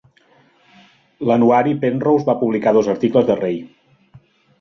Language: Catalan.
"L'anuari Penrose" va publicar dos articles de Ray.